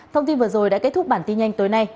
thông tin vừa rồi đã kết thúc bản tin nhanh tối nay